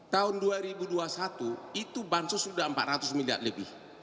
tahun dua ribu dua puluh satu itu bansos sudah empat ratus miliar lebih